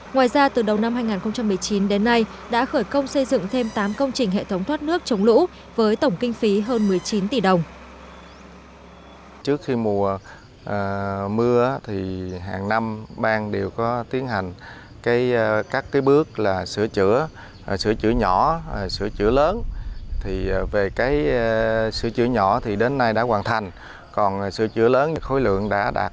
năm hai nghìn một mươi chín đến nay đã khởi công xây dựng thêm tám công trình hệ thống thoát nước chống lũ với tổng kinh phí hơn một mươi chín tỷ đồng